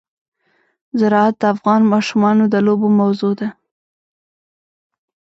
زراعت د افغان ماشومانو د لوبو موضوع ده.